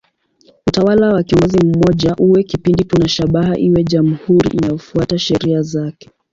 Utawala wa kiongozi mmoja uwe kipindi tu na shabaha iwe jamhuri inayofuata sheria zake.